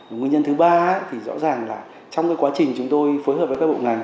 nguyên nhân thứ ba thì rõ ràng là trong cái quá trình chúng tôi phối hợp với các bộ ngành